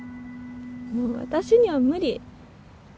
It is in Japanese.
もう私には無理。